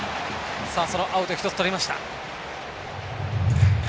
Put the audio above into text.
そのアウト１つとりました。